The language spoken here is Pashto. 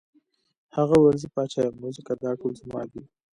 هغه وویل زه پاچا یم نو ځکه دا ټول زما دي.